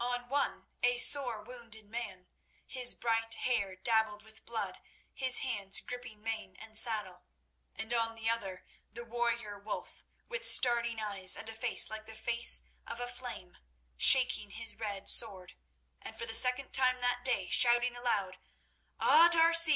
On one a sore wounded man, his bright hair dabbled with blood, his hands gripping mane and saddle, and on the other the warrior Wulf, with starting eyes and a face like the face of a flame, shaking his red sword, and for the second time that day shouting aloud: "_A D'Arcy!